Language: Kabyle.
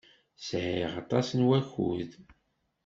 Sɛiɣ aṭas n wakud.